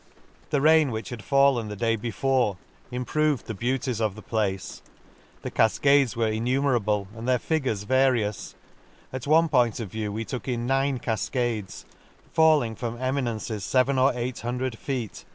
— The rain which had fallen the day before improved the beauties of the place ;— the cafcades were innumerable, and their fi gures various ;— at one point of view we took in nine cafcades, falling from emi nences {even or eight hundred feet per* X 2 pendicular 164.